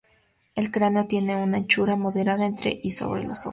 El cráneo tiene una anchura moderada entre y sobre los ojos.